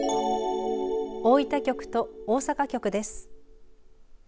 大分局と大阪局です。